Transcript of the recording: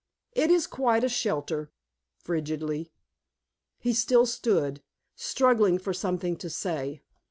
"It is quite a shelter" frigidly. He still stood, struggling for something to say.